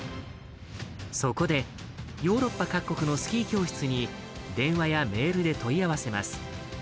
そこで、ヨーロッパ各国のスキー教室に電話やメールで問い合わせます。